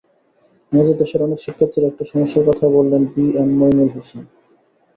আমাদের দেশের অনেক শিক্ষার্থীর একটা সমস্যার কথাও বললেন বি এম মইনুল হোসেন।